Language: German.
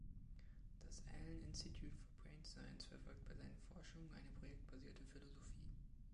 Das Allen Institute for Brain Science verfolgt bei seinen Forschungen eine projektbasierte Philosophie.